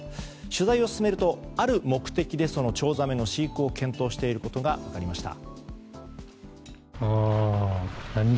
取材を進めるとある目的でそのチョウザメの飼育を検討していることが分かりました。